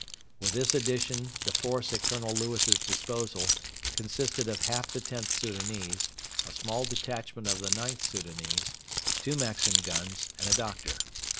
With this addition the force at Colonel Lewis's disposal consisted of half the Xth Soudanese, a small detachment of the IXth Soudanese, two Maxim guns, and a doctor.